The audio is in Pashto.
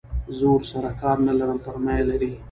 زه ورسره کار نه لرم پر ما یې لري.